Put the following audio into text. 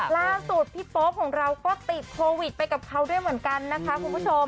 ล่าสุดพี่โป๊ปของเราก็ติดโควิดไปกับเขาด้วยเหมือนกันนะคะคุณผู้ชม